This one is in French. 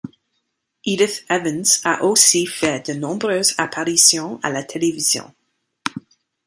Edith Evans a aussi fait de nombreuses apparitions à la télévision.